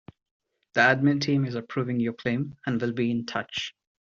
The admin team is approving your claim and will be in touch.